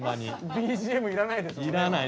ＢＧＭいらないですもんね。